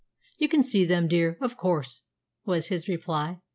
"You can see them, dear, of course," was his reply.